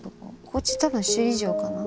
こっち多分首里城かな。